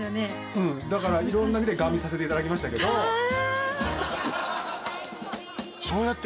うんだから色んな意味でガン見させていただきましたけどねえ